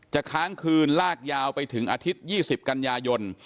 ค้างคืนลากยาวไปถึงอาทิตย์๒๐กันยายน